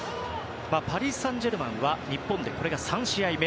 パリ・サンジェルマンは日本でこれが３試合目。